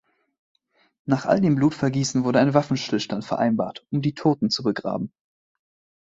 Nach all dem Blutvergießen wurde ein Waffenstillstand vereinbart, um die Toten zu begraben.